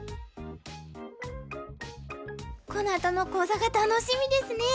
このあとの講座が楽しみですね。